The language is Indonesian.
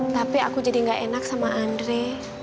tapi aku jadi gak enak sama andre